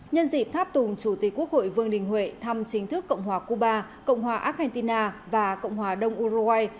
nhân dịp tháp tùng chủ tịch quốc hội vương đình huệ thăm chính thức cộng hòa cuba cộng hòa argentina và cộng hòa đông uruguay